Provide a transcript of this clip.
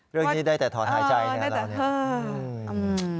เรื่องนี้ได้แต่ถอดหายใจนะแล้วนี้